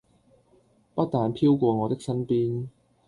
不但飄過我的身邊